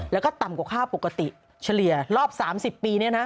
แล้วก็ต่ำกว่าค่าปกติเฉลี่ยรอบ๓๐ปีเนี่ยนะ